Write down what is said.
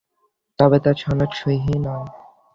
তবে তার সনদ সহীহ নয়।